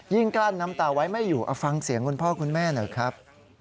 ยิ่งกล้านน้ำตาไว้ไม่อยู่ฟังเสียงคุณพ่อคุณแม่นะครับ